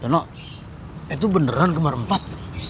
karena itu beneran kembar empat